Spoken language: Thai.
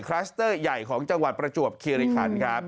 สเตอร์ใหญ่ของจังหวัดประจวบคิริคันครับ